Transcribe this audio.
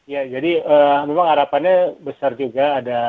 ya jadi memang harapannya besar juga